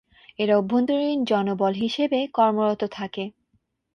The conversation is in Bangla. এরা অভ্যন্তরীণ জনবল হিসেবে কর্মরত থাকে।